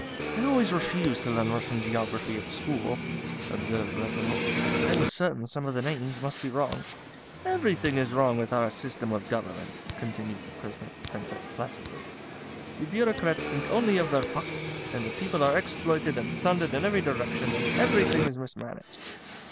"I always refused to learn Russian geography at school," observed Reginald; "I was certain some of the names must be wrong." "Everything is wrong with our system of government," continued the Princess placidly. "The Bureaucrats think only of their pockets, and the people are exploited and plundered in every direction, and everything is mismanaged."